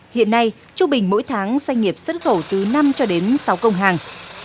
hiện nay trung bình mỗi tháng doanh nghiệp xuất khẩu từ năm cho đến sáu công hàng